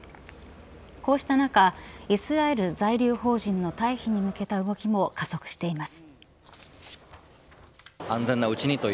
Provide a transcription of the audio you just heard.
こうした中、イスラエル在留邦人の退避に向けた動きも加速しています。